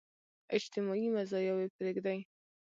اجتماعي مزاياوې پرېږدي.